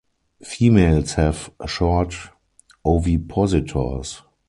Females have short ovipositors.